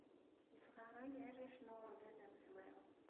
Yesɣaṛay arrac n uɣerbaz amezwaru